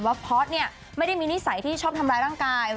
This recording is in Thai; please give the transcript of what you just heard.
ว่าพอสไม่ได้มีนิสัยที่ชอบทำร้ายร่างกาย